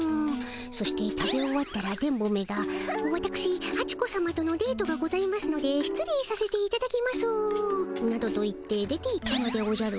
そして食べ終わったら電ボめが「わたくしハチ子さまとのデートがございますので失礼させていただきます」などと言って出ていったのでおじゃる。